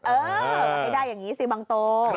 เออมันไม่ได้อย่างนี้สิบางโต